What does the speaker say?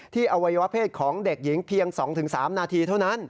ที่อัยวะเพศของเด็กหญิงเพียงสองถึงสามนาทีเท่านั้น